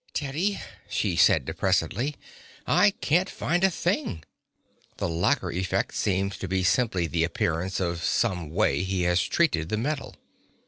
"Teddy," she said depressedly, "I can't find a thing. The lacquer effect seems to be simply the appearance of some way he has treated the metal.